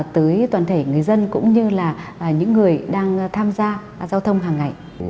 tới toàn thể người dân cũng như là những người đang tham gia giao thông hàng ngày